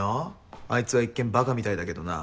あいつは一見ばかみたいだけどな